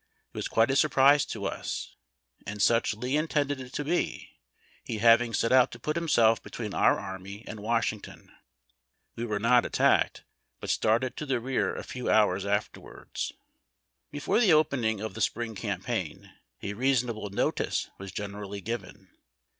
It was quite a surprise to us ; and such Lee intended it to be, he having set out to put himself between our army and Washington. We were not attacked, but started to the rear a few hours afterwards. Before the opening of the spring campaign a reasonable notice was generally given.